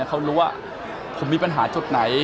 เขารู้ว่าผมมีปัญหาจุดไหน